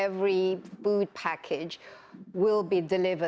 setiap pasangan makanan